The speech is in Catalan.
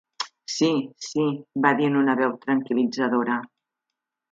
"Sí, sí", va dir, en una veu tranquil·litzadora.